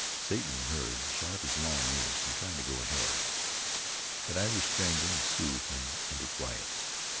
Satan heard, shot up his long ears, and tried to go ahead; but I restrained and soothed him into quiet.